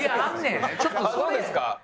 あっそうですか？